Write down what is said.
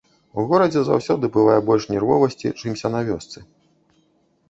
У горадзе заўсёды бывае больш нервовасці, чымся на вёсцы.